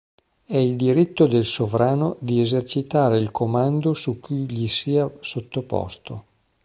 È il diritto del sovrano di esercitare il comando su chi gli sia sottoposto.